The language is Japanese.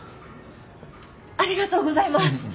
ありがとうございます。